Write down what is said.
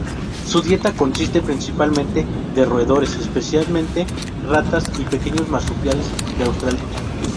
Su dieta consiste principalmente de roedores, especialmente ratas y pequeños marsupiales de Australia.